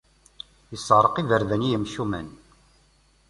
Isseɛraq iberdan i yimcumen.